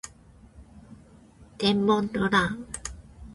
天文の乱